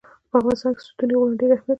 په افغانستان کې ستوني غرونه ډېر اهمیت لري.